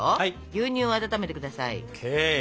牛乳を温めて下さい。ＯＫ。